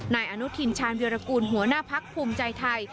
นายอนุทินชาญวิรากูลหัวหน้าพักภูมิใจไทย